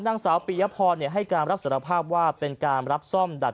นางสาวปียพรให้การรับสารภาพว่าเป็นการรับซ่อมดัด